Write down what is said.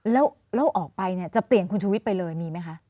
แล้วออกไปเนี่ยจะเปลี่ยนคุณชุวิตไปเลยมีไหมคะ